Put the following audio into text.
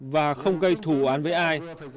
và không gây thù oán với ai